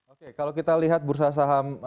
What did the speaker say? oke kalau kita lihat bursa saham